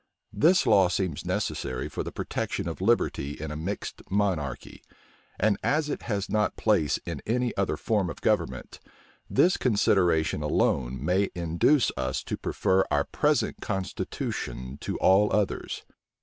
This law seems necessary for the protection of liberty in a mixed monarchy; and as it has not place in any other form of government, this consideration alone may induce us to prefer our present constitution to all others.